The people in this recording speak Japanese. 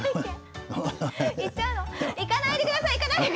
行かないでください！